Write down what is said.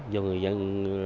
do người dân